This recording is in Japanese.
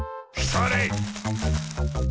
それ！